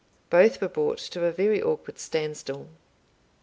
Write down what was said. Both were brought to a very awkward standstill.